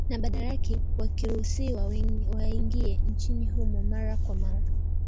Na badala yake wakiruhusiwa waingie nchini humo mara kwa mara.